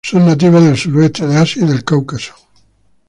Son nativas del suroeste de Asia y del Cáucaso.